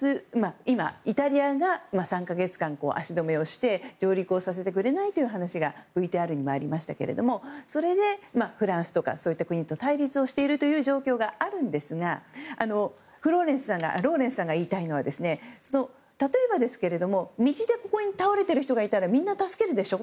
今、イタリアが３か月間足止めをして上陸させてくれないという話がＶＴＲにもありましたがそれでフランスとかそういった国と対立をしているという状況があるんですがローレンスさんが言いたいのは例えば、道で倒れてる人がいたらみんな助けるでしょ。